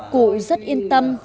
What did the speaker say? cụ rất yên tâm